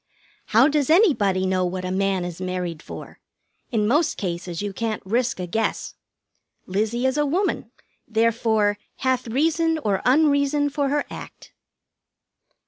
"How does anybody know what a man is married for? In most cases you can't risk a guess. Lizzie is a woman, therefore 'hath reason or unreason for her act.'"